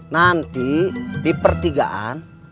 nanti di pertigaan